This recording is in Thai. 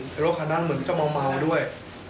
แล้วรถคันนั่งเหมือนจะเหมาด้วย